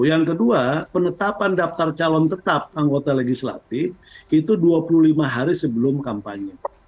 yang kedua penetapan daftar calon tetap anggota legislatif itu dua puluh lima hari sebelum kampanye